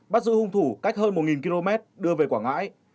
bắt giữ hung thủ cách hơn một km đưa về quảng ngãi